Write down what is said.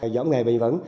giảm nghề bình vẩn